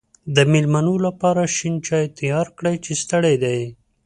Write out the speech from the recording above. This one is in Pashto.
د مېلمنو لپاره شین چای تیار کړی چې ستړی دی.